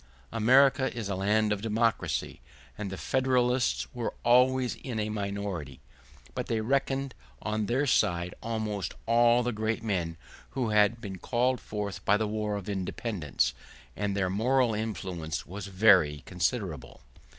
America is a land of democracy, and the Federalists were always in a minority; but they reckoned on their side almost all the great men who had been called forth by the War of Independence, and their moral influence was very considerable.